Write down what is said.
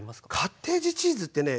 カッテージチーズってね